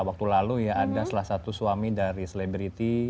waktu lalu ya ada salah satu suami dari selebriti